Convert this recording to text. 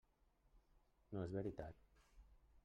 No és veritat!